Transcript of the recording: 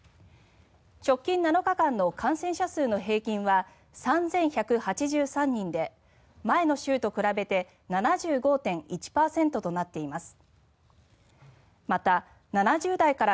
直近７日間の感染者数の平均は３１８３人で前の週と比べて７５．１％となっています。